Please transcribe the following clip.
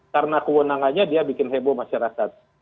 karena kewenangannya dia bikin heboh masyarakat